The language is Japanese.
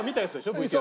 ＶＴＲ。